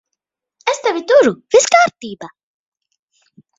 Es tevi turu. Viss kārtībā.